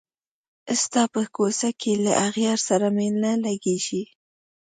ستا په کوڅه کي له اغیار سره مي نه لګیږي